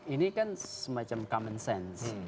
ini kan semacam common sense